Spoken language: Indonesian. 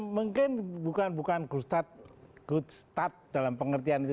mungkin bukan good start dalam pengertian itu